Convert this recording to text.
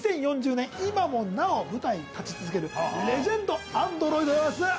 ２０４０年今もなお舞台に立ち続けるレジェンドアンドロイドでございます。